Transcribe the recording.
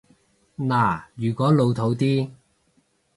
嗱，如果老套啲